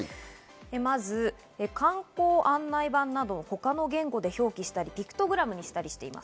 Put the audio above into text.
まず観光案内板などを他の言語で表記したり、ピクトグラムにしたりしています。